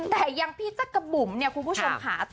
แต่อย่างพี่จักรบุ๋มเนี่ยคุณผู้ชมค่ะ